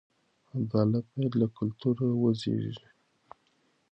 عدالت باید له کلتوره وزېږي.